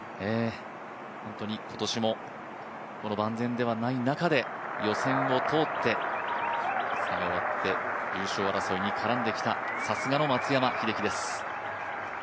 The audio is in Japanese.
本当に今年もこの万全ではない中で予選を通って、優勝争いに絡んできた、さすがの松山英樹です。